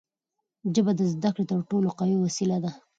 ژبه د زدهکړې تر ټولو قوي وسیله ده.